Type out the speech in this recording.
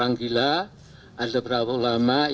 tapi kita harus tarik memori